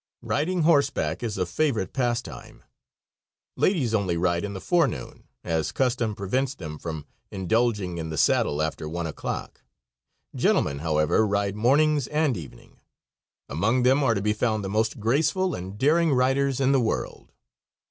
Riding horseback is a favorite pastime. Ladies only ride in the forenoon, as custom prevents them from indulging in the saddle after one o'clock. Gentlemen, however, ride mornings and evening. Among them are to be found the most graceful and daring riders in the world.